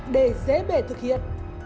để dễ bể thực hiện